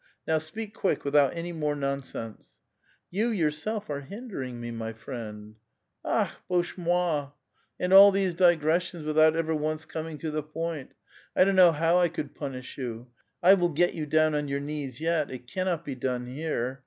Now, speak quick, without any more nonsense." " You, yourself, are hindering me, my friend." " Akh, bozhe mot! aud all these digressions without ever once coming to the point. I don't know how I could punish you. I will get you down on your knees yet ; it cannot be done here.